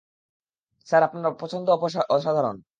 Sir, আপনার পছন্দ অসাধারণ।